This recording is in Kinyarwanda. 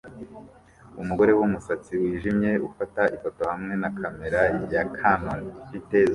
Umugore wumusatsi wijimye ufata ifoto hamwe na kamera ya kanon ifite zoom nini